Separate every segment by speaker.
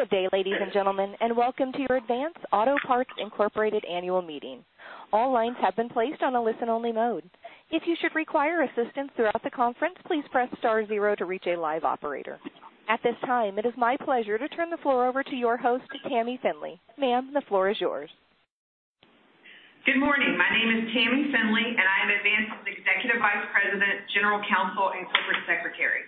Speaker 1: Good day, ladies and gentlemen, and welcome to your Advance Auto Parts Incorporated annual meeting. All lines have been placed on a listen-only mode. If you should require assistance throughout the conference, please press star zero to reach a live operator. At this time, it is my pleasure to turn the floor over to your host, Tammy Finley. Ma'am, the floor is yours.
Speaker 2: Good morning. My name is Tammy Finley, and I am Advance's Executive Vice President, General Counsel, and Corporate Secretary.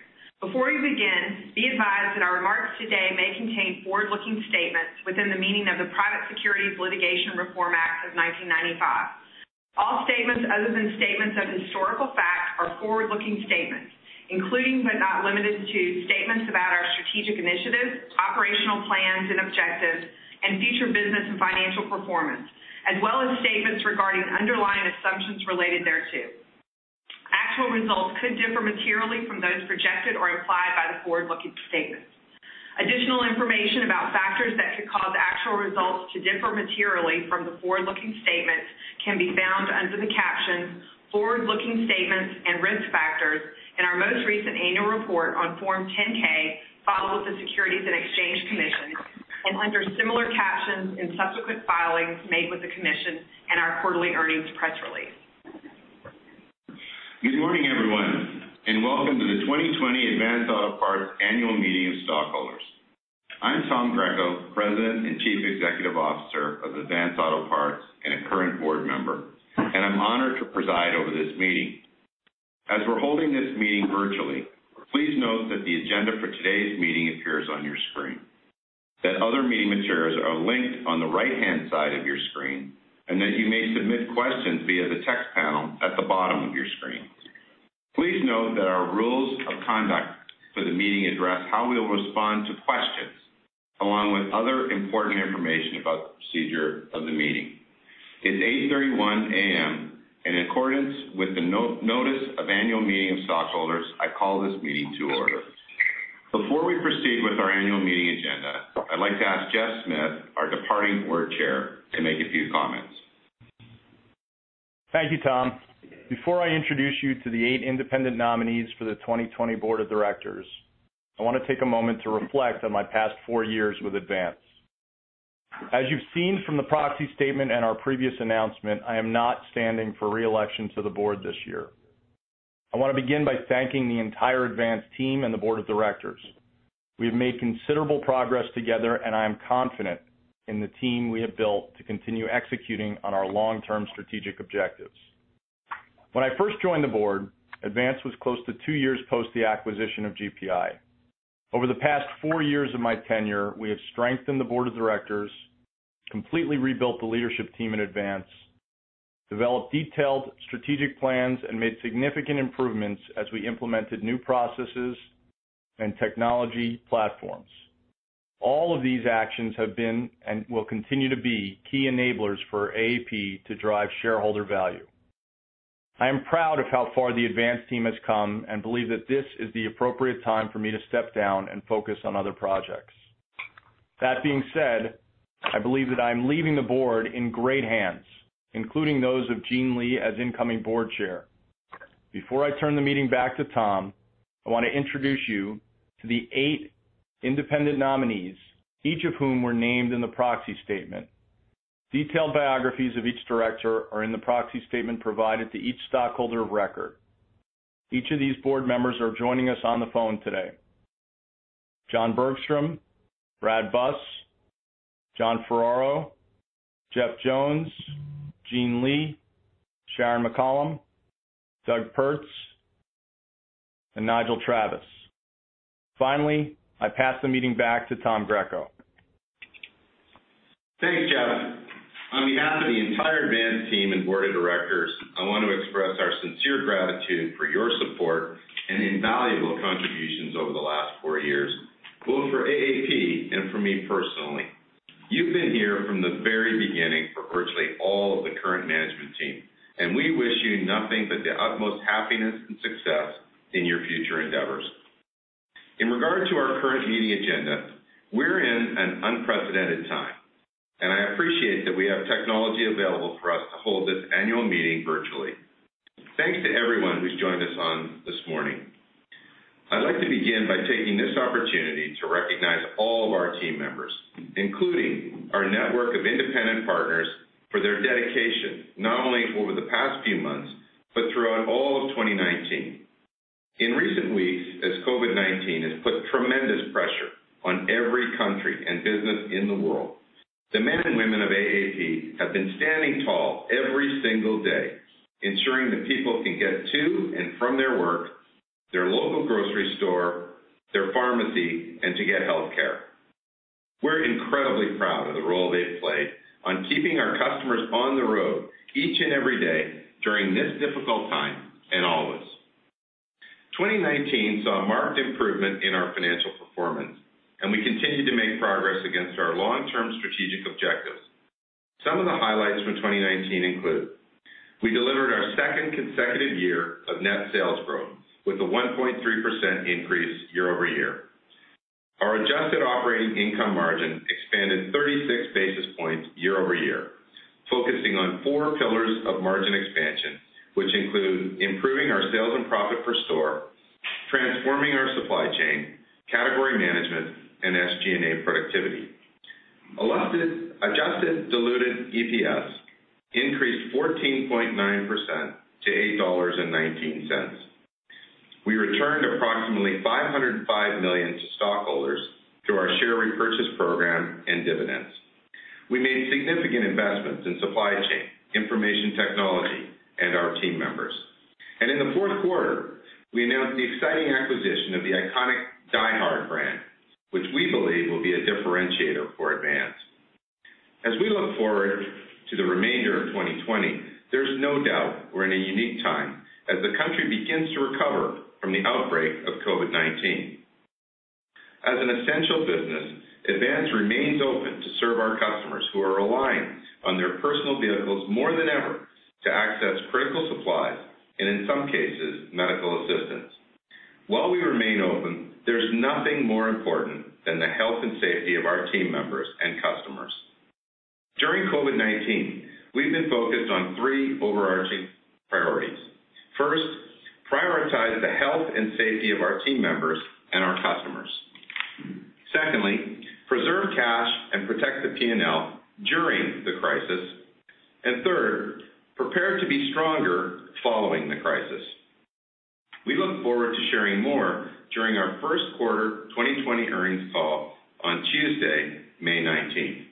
Speaker 2: Before we begin, be advised that our remarks today may contain forward-looking statements within the meaning of the Private Securities Litigation Reform Act of 1995. All statements other than statements of historical fact are forward-looking statements, including, but not limited to, statements about our strategic initiatives, operational plans and objectives, and future business and financial performance, as well as statements regarding underlying assumptions related thereto. Actual results could differ materially from those projected or implied by the forward-looking statements. Additional information about factors that could cause actual results to differ materially from the forward-looking statements can be found under the caption "Forward-Looking Statements and Risk Factors" in our most recent annual report on Form 10-K filed with the Securities and Exchange Commission and under similar captions in subsequent filings made with the commission and our quarterly earnings press release.
Speaker 3: Good morning, everyone, and welcome to the 2020 Advance Auto Parts Annual Meeting of Stockholders. I'm Tom Greco, President and Chief Executive Officer of Advance Auto Parts, and a current board member, and I'm honored to preside over this meeting. As we're holding this meeting virtually, please note that the agenda for today's meeting appears on your screen, that other meeting materials are linked on the right-hand side of your screen, and that you may submit questions via the text panel at the bottom of your screen. Please note that our rules of conduct for the meeting address how we will respond to questions, along with other important information about the procedure of the meeting. It's 8:31 A.M. In accordance with the notice of annual meeting of stockholders, I call this meeting to order. Before we proceed with our annual meeting agenda, I'd like to ask Jeff Smith, our departing Board Chair, to make a few comments.
Speaker 4: Thank you, Tom. Before I introduce you to the eight independent nominees for the 2020 board of directors, I want to take a moment to reflect on my past four years with Advance. As you've seen from the proxy statement and our previous announcement, I am not standing for re-election to the board this year. I want to begin by thanking the entire Advance team and the board of directors. We have made considerable progress together, and I am confident in the team we have built to continue executing on our long-term strategic objectives. When I first joined the board, Advance was close to two years post the acquisition of GPI. Over the past four years of my tenure, we have strengthened the board of directors, completely rebuilt the leadership team in Advance, developed detailed strategic plans, and made significant improvements as we implemented new processes and technology platforms. All of these actions have been and will continue to be key enablers for AAP to drive shareholder value. I am proud of how far the Advance team has come and believe that this is the appropriate time for me to step down and focus on other projects. That being said, I believe that I am leaving the board in great hands, including those of Gene Lee as incoming board chair. Before I turn the meeting back to Tom, I want to introduce you to the eight independent nominees, each of whom were named in the proxy statement. Detailed biographies of each director are in the proxy statement provided to each stockholder of record. Each of these board members are joining us on the phone today. John Bergstrom, Brad Buss, John Ferraro, Jeff Jones, Gene Lee, Sharon McCollam, Doug Pertz, and Nigel Travis. Finally, I pass the meeting back to Tom Greco.
Speaker 3: Thanks, Jeff. On behalf of the entire Advance team and board of directors, I want to express our sincere gratitude for your support and invaluable contributions over the last four years, both for AAP and for me personally. You've been here from the very beginning for virtually all of the current management team, and we wish you nothing but the utmost happiness and success in your future endeavors. In regard to our current meeting agenda, we're in an unprecedented time, and I appreciate that we have technology available for us to hold this annual meeting virtually. Thanks to everyone who's joined us on this morning. I'd like to begin by taking this opportunity to recognize all of our team members, including our network of independent partners, for their dedication, not only over the past few months but throughout all of 2019. In recent weeks, as COVID-19 has put tremendous pressure on every country and business in the world, the men and women of AAP have been standing tall every single day, ensuring that people can get to and from their work, their local grocery store, their pharmacy, and to get healthcare. We're incredibly proud of the role they've played on keeping our customers on the road each and every day during this difficult time and always. 2019 saw marked improvement in our financial performance, and we continued to make progress against our long-term strategic objectives. Some of the highlights from 2019 include we delivered our second consecutive year of net sales growth with a 1.3% increase year-over-year. Our adjusted operating income margin year-over-year, focusing on four pillars of margin expansion, which include improving our sales and profit per store, transforming our supply chain, category management, and SG&A productivity. Adjusted diluted EPS increased 14.9% to $8.19. We returned approximately $505 million to stockholders through our share repurchase program and dividends. We made significant investments in supply chain, information technology, and our team members. In the fourth quarter, we announced the exciting acquisition of the iconic DieHard brand, which we believe will be a differentiator for Advance. As we look forward to the remainder of 2020, there's no doubt we're in a unique time as the country begins to recover from the outbreak of COVID-19. As an essential business, Advance remains open to serve our customers who are reliant on their personal vehicles more than ever to access critical supplies and, in some cases, medical assistance. While we remain open, there's nothing more important than the health and safety of our team members and customers. During COVID-19, we've been focused on three overarching priorities. First, prioritize the health and safety of our team members and our customers. Secondly, preserve cash and protect the P&L during the crisis. Third, prepare to be stronger following the crisis. We look forward to sharing more during our first quarter 2020 earnings call on Tuesday, May 19th.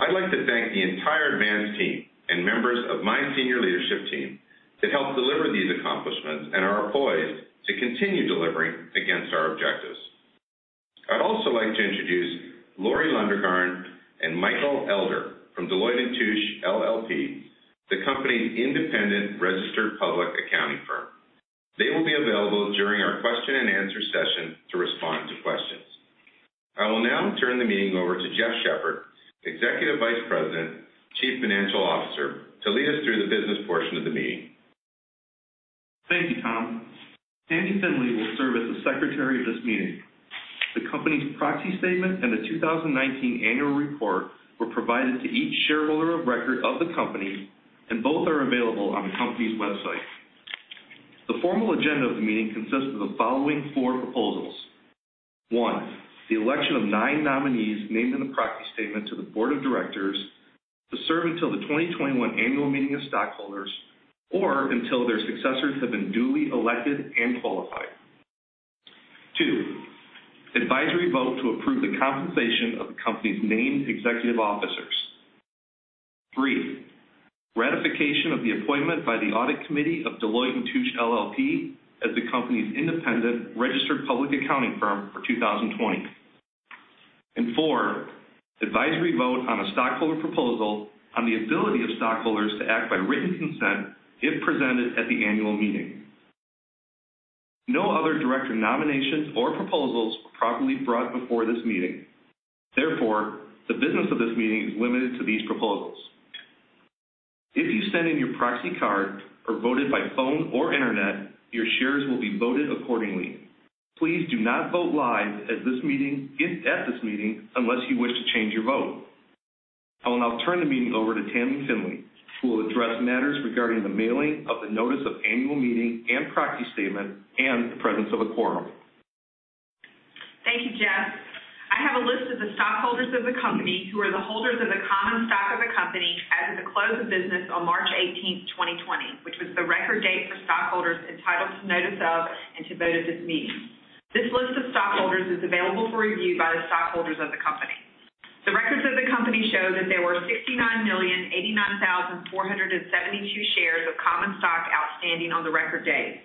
Speaker 3: I'd like to thank the entire Advance team and members of my senior leadership team that helped deliver these accomplishments and are poised to continue delivering against our objectives. I'd also like to introduce Lori Lundgren and Michael Elder from Deloitte & Touche LLP, the company's independent registered public accounting firm. They will be available during our question and answer session to respond to questions. I will now turn the meeting over to Jeff Shepherd, Executive Vice President, Chief Financial Officer, to lead us through the business portion of the meeting.
Speaker 5: Thank you, Tom. Tammy Finley will serve as the secretary of this meeting. The company's proxy statement and the 2019 annual report were provided to each shareholder of record of the company, and both are available on the company's website. The formal agenda of the meeting consists of the following four proposals. One, the election of nine nominees named in the proxy statement to the board of directors to serve until the 2021 annual meeting of stockholders or until their successors have been duly elected and qualified. Two, advisory vote to approve the compensation of the company's named executive officers. Three, ratification of the appointment by the audit committee of Deloitte & Touche LLP as the company's independent registered public accounting firm for 2020. Four, advisory vote on a stockholder proposal on the ability of stockholders to act by written consent if presented at the annual meeting. No other director nominations or proposals were properly brought before this meeting. Therefore, the business of this meeting is limited to these proposals. If you send in your proxy card or voted by phone or internet, your shares will be voted accordingly. Please do not vote live at this meeting unless you wish to change your vote. I will now turn the meeting over to Tammy Finley, who will address matters regarding the mailing of the notice of annual meeting and proxy statement and the presence of a quorum.
Speaker 2: Thank you, Jeff. I have a list of the stockholders of the company who are the holders of the common stock of the company as of the close of business on March 18th, 2020, which was the record date for stockholders entitled to notice of and to vote at this meeting. This list of stockholders is available for review by the stockholders of the company. The records of the company show that there were 69,089,472 shares of common stock outstanding on the record date.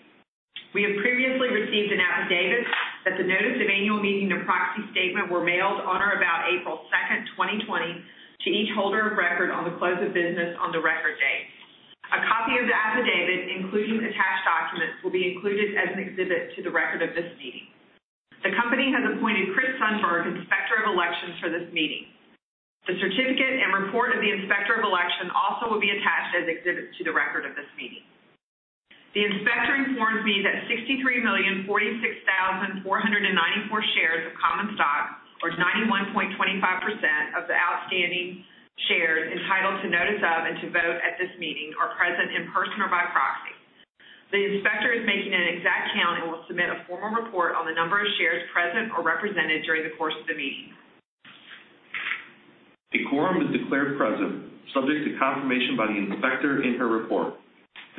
Speaker 2: We have previously received an affidavit that the notice of annual meeting and proxy statement were mailed on or about April 2nd, 2020 to each holder of record on the close of business on the record date. A copy of the affidavit, including attached documents, will be included as an exhibit to the record of this meeting. The company has appointed Chris Sundberg, Inspector of Elections, for this meeting. The certificate and report of the Inspector of Election also will be attached as exhibits to the record of this meeting. The inspector informs me that 63,046,494 shares of common stock, or 91.25% of the outstanding shares entitled to notice of and to vote at this meeting, are present in person or by proxy. The inspector is making an exact count and will submit a formal report on the number of shares present or represented during the course of the meeting.
Speaker 5: A quorum is declared present, subject to confirmation by the inspector in her report.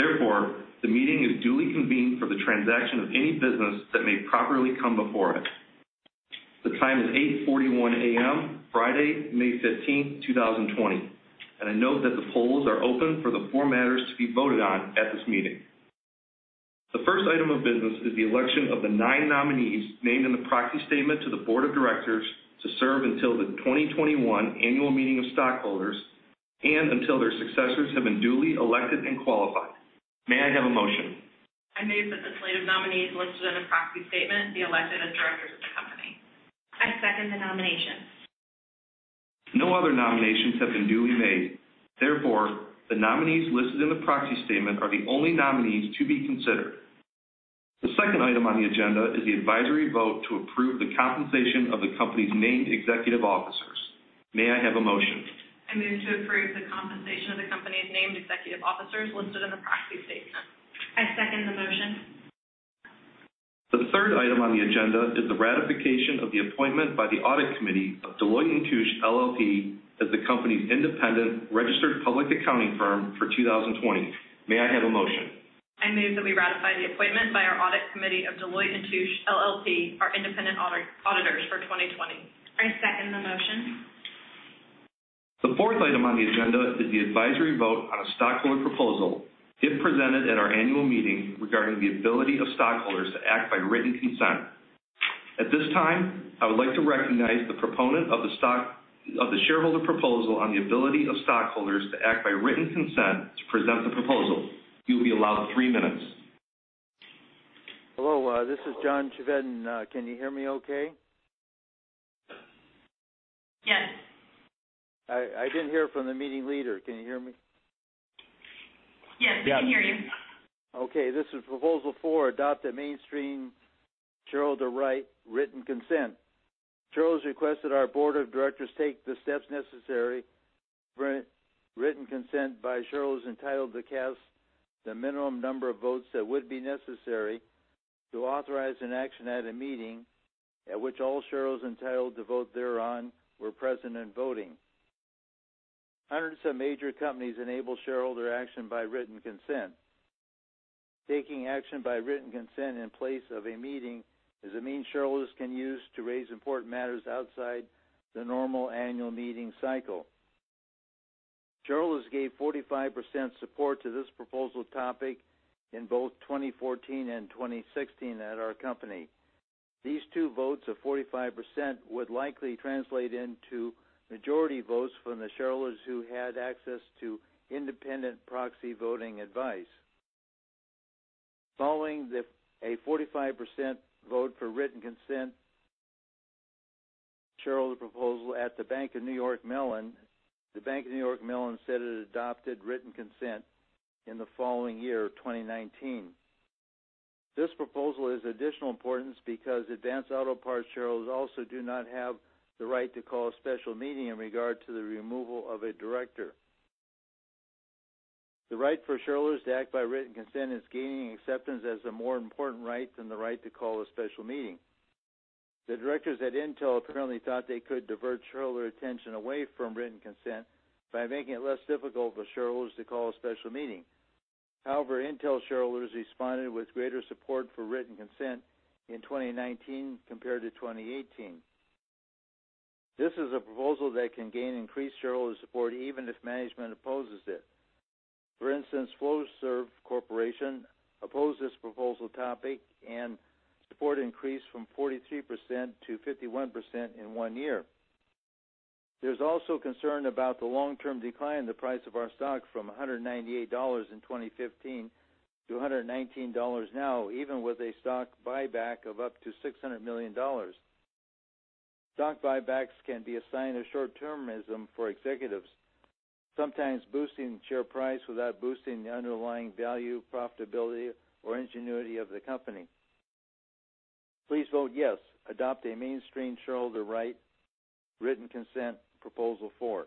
Speaker 5: Therefore, the meeting is duly convened for the transaction of any business that may properly come before it. The time is 8:41 A.M., Friday, May 15th, 2020, and I note that the polls are open for the four matters to be voted on at this meeting. The first item of business is the election of the nine nominees named in the proxy statement to the board of directors to serve until the 2021 annual meeting of stockholders and until their successors have been duly elected and qualified. May I have a motion?
Speaker 2: I move that the slate of nominees listed in the proxy statement be elected as directors of the company.
Speaker 6: I second the nominations.
Speaker 5: No other nominations have been duly made. The nominees listed in the proxy statement are the only nominees to be considered. The second item on the agenda is the advisory vote to approve the compensation of the company's named executive officers. May I have a motion?
Speaker 2: I move to approve the compensation of the company's named executive officers listed in the proxy statement. I second the motion.
Speaker 5: The third item on the agenda is the ratification of the appointment by the audit committee of Deloitte & Touche LLP as the company's independent registered public accounting firm for 2020. May I have a motion?
Speaker 6: I move that we ratify the appointment by our audit committee of Deloitte & Touche LLP, our independent auditors for 2020. I second the motion.
Speaker 5: The fourth item on the agenda is the advisory vote on a stockholder proposal if presented at our annual meeting regarding the ability of stockholders to act by written consent. At this time, I would like to recognize the proponent of the shareholder proposal on the ability of stockholders to act by written consent to present the proposal. You'll be allowed three minutes.
Speaker 7: Hello, this is John Chevedden. Can you hear me okay?
Speaker 6: Yes.
Speaker 7: I didn't hear from the meeting leader. Can you hear me?
Speaker 6: Yes, we can hear you.
Speaker 7: Okay. This is Proposal 4, adopt a mainstream shareholder right written consent. Shareholders request that our board of directors take the steps necessary for written consent by shareholders entitled to cast the minimum number of votes that would be necessary to authorize an action at a meeting at which all shareholders entitled to vote thereon were present and voting. Hundreds of major companies enable shareholder action by written consent. Taking action by written consent in place of a meeting is a means shareholders can use to raise important matters outside the normal annual meeting cycle. Shareholders gave 45% support to this proposal topic in both 2014 and 2016 at our company. These two votes of 45% would likely translate into majority votes from the shareholders who had access to independent proxy voting advice. Following a 45% vote for written consent shareholder proposal at The Bank of New York Mellon, The Bank of New York Mellon said it adopted written consent in the following year, 2019. This proposal is of additional importance because Advance Auto Parts shareholders also do not have the right to call a special meeting in regard to the removal of a director. The right for shareholders to act by written consent is gaining acceptance as a more important right than the right to call a special meeting. The directors at Intel apparently thought they could divert shareholder attention away from written consent by making it less difficult for shareholders to call a special meeting. However, Intel shareholders responded with greater support for written consent in 2019 compared to 2018. This is a proposal that can gain increased shareholder support even if management opposes it. For instance, Flowserve Corporation opposed this proposal topic and support increased from 43%-51% in one year. There's also concern about the long-term decline in the price of our stock from $198 in 2015 to $119 now, even with a stock buyback of up to $600 million. Stock buybacks can be a sign of short-termism for executives, sometimes boosting share price without boosting the underlying value, profitability, or ingenuity of the company. Please vote yes. Adopt a mainstream shareholder right written consent, Proposal 4.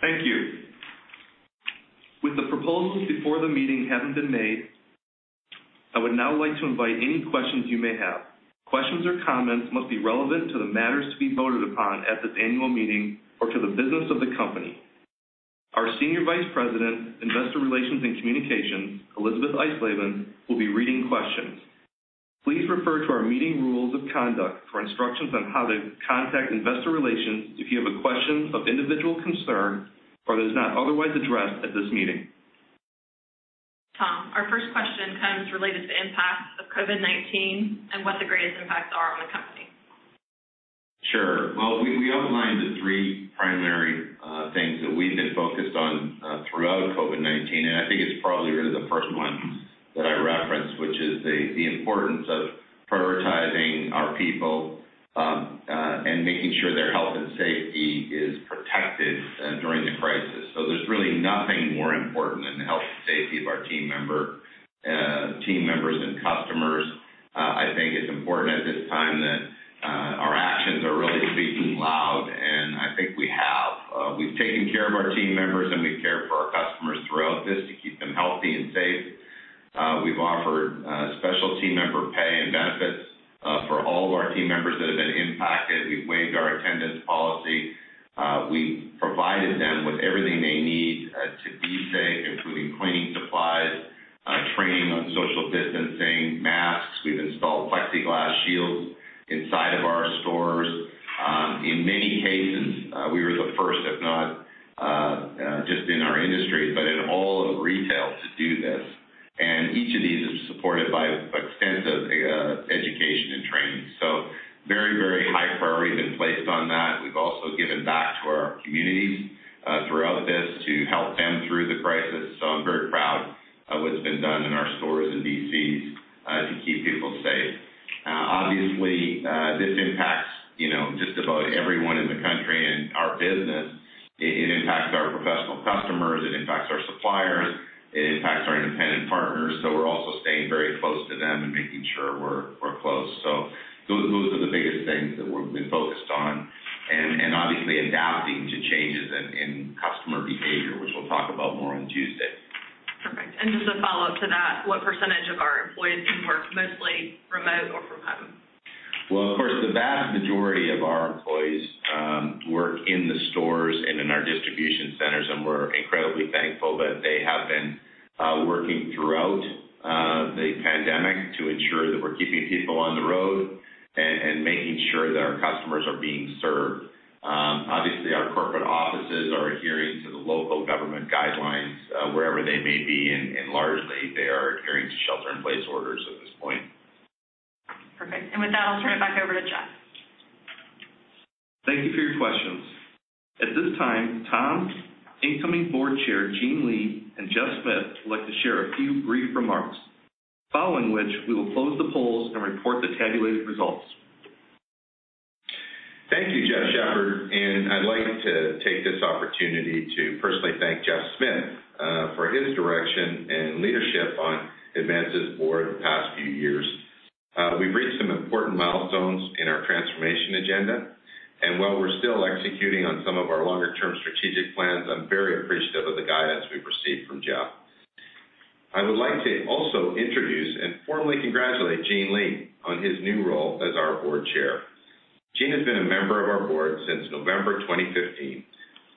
Speaker 5: Thank you. With the proposals before the meeting having been made, I would now like to invite any questions you may have. Questions or comments must be relevant to the matters to be voted upon at this annual meeting or to the business of the company. Our Senior Vice President, Communications and Investor Relations, Elisabeth Eisleben, will be reading questions. Please refer to our meeting rules of conduct for instructions on how to contact investor relations if you have a question of individual concern or that is not otherwise addressed at this meeting.
Speaker 6: Tom, our first question comes related to impacts of COVID-19 and what the greatest impacts are on the company.
Speaker 3: Sure. Well, we outlined the three primary things that we've been focused on throughout COVID-19, and I think it's probably really the first one that I referenced, which is the importance of prioritizing our people and making sure their health and safety is protected during the crisis. There's really nothing more important than the health and safety of our team members and customers. I think it's important at this time that our actions are really speaking loud, and I think we have. We've taken care of our team members, and we care for our customers throughout this to keep them healthy and safe. We've offered special team member pay and benefits for all of our team members that have been impacted. We've waived our attendance policy. We provided them with everything they need to be
Speaker 6: home?
Speaker 3: Well, of course, the vast majority of our employees work in the stores and in our distribution centers, and we're incredibly thankful that they have been working throughout the pandemic to ensure that we're keeping people on the road and making sure that our customers are being served. Obviously, our corporate offices are adhering to the local government guidelines wherever they may be, and largely, they are adhering to shelter-in-place orders at this point.
Speaker 6: Perfect. With that, I'll turn it back over to Jeff.
Speaker 5: Thank you for your questions. At this time, Tom, Incoming Board Chair Gene Lee, and Jeff Smith would like to share a few brief remarks. Following which, we will close the polls and report the tabulated results.
Speaker 3: Thank you, Jeff Shepherd. I'd like to take this opportunity to personally thank Jeff Smith for his direction and leadership on Advance's board the past few years. We've reached some important milestones in our transformation agenda, and while we're still executing on some of our longer-term strategic plans, I'm very appreciative of the guidance we've received from Jeff. I would like to also introduce and formally congratulate Gene Lee on his new role as our Board Chair. Gene has been a member of our board since November 2015.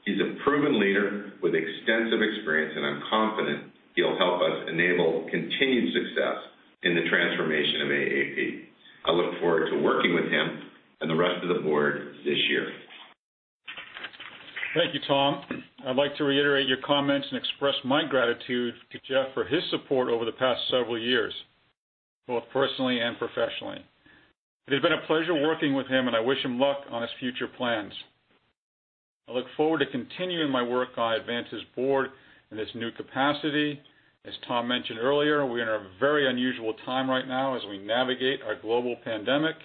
Speaker 3: He's a proven leader with extensive experience, and I'm confident he'll help us enable continued success in the transformation of AAP. I look forward to working with him and the rest of the board this year.
Speaker 8: Thank you, Tom. I'd like to reiterate your comments and express my gratitude to Jeff for his support over the past several years, both personally and professionally. It has been a pleasure working with him, and I wish him luck on his future plans. I look forward to continuing my work on Advance's board in this new capacity. As Tom mentioned earlier, we're in a very unusual time right now as we navigate our global pandemic.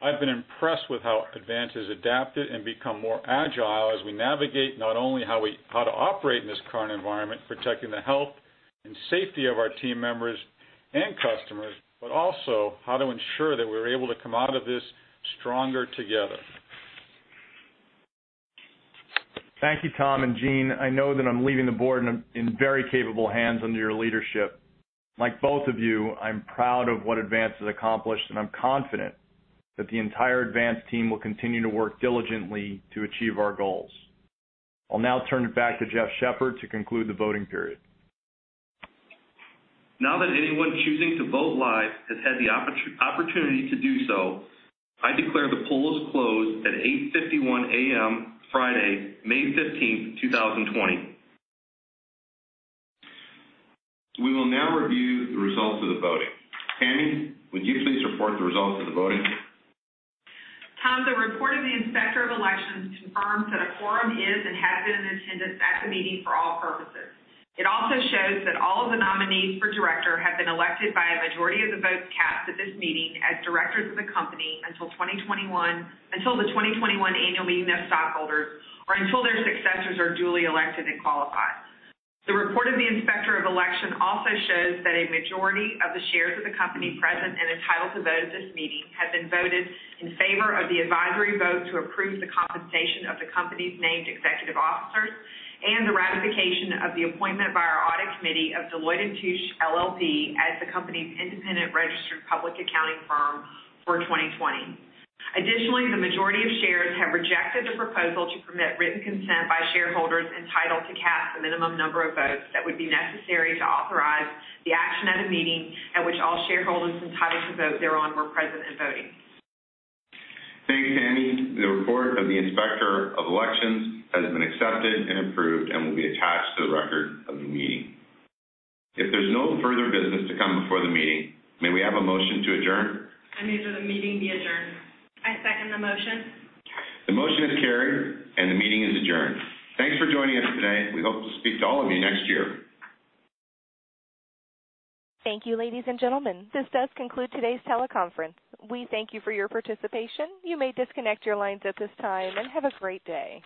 Speaker 8: I've been impressed with how Advance has adapted and become more agile as we navigate not only how to operate in this current environment, protecting the health and safety of our team members and customers, but also how to ensure that we're able to come out of this stronger together.
Speaker 4: Thank you, Tom and Gene. I know that I'm leaving the board in very capable hands under your leadership. Like both of you, I'm proud of what Advance has accomplished, and I'm confident that the entire Advance team will continue to work diligently to achieve our goals. I'll now turn it back to Jeff Shepherd to conclude the voting period.
Speaker 5: Now that anyone choosing to vote live has had the opportunity to do so, I declare the polls closed at 8:51 A.M., Friday, May 15th, 2020.
Speaker 3: We will now review the results of the voting. Tammy, would you please report the results of the voting?
Speaker 2: Tom, the report of the Inspector of Elections confirms that a quorum is and has been in attendance at the meeting for all purposes. It also shows that all of the nominees for director have been elected by a majority of the votes cast at this meeting as directors of the company until the 2021 annual meeting of stockholders or until their successors are duly elected and qualified. The report of the Inspector of Election also shows that a majority of the shares of the company present and entitled to vote at this meeting have been voted in favor of the advisory vote to approve the compensation of the company's named executive officers and the ratification of the appointment by our audit committee of Deloitte & Touche LLP as the company's independent registered public accounting firm for 2020. The majority of shares have rejected the proposal to permit written consent by shareholders entitled to cast the minimum number of votes that would be necessary to authorize the action at a meeting at which all shareholders entitled to vote thereon were present and voting.
Speaker 3: Thanks, Tammy. The report of the Inspector of Elections has been accepted and approved and will be attached to the record of the meeting. If there's no further business to come before the meeting, may we have a motion to adjourn?
Speaker 2: I move that the meeting be adjourned.
Speaker 6: I second the motion.
Speaker 3: The motion is carried and the meeting is adjourned. Thanks for joining us today. We hope to speak to all of you next year.
Speaker 1: Thank you, ladies and gentlemen. This does conclude today's teleconference. We thank you for your participation. You may disconnect your lines at this time, and have a great day.